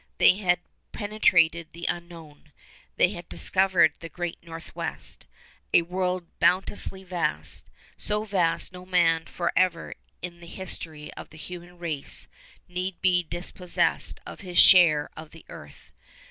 They had penetrated the Unknown. They had discovered the Great Northwest a world boundlessly vast; so vast no man forever after in the history of the human race need be dispossessed of his share of the earth.